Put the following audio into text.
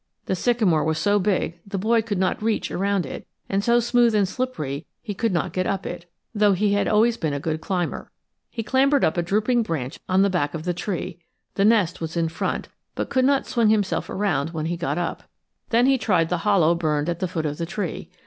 The sycamore was so big the boy could not reach around it, and so smooth and slippery he could not get up it, though he had always been a good climber. He clambered up a drooping branch on the back of the tree, the nest was in front, but could not swing himself around when he got up. Then he tried the hollow burned at the foot of the tree.